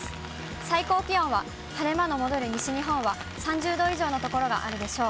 最高気温は晴れ間の戻る西日本は３０度以上の所があるでしょう。